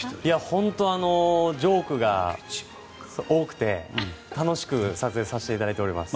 本当、ジョークが多くて楽しく撮影させていただいております。